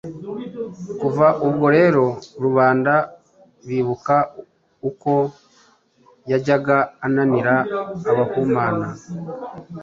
Kuva ubwo rero rubanda bibuka uko yajyaga ananira abamuhana